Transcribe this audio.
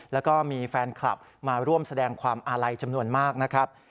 แล้วก็มีแฟนคลับมาร่วมแสดงความอาลัยจำนวนมากนะครับ